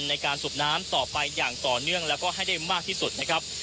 ในการสูบน้ำต่อไปอย่างต่อเนื่องแล้วก็ให้ได้มากที่สุดนะครับ